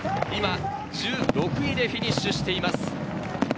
１６位でフィニッシュしています。